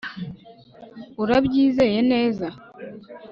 Urabyizeye neza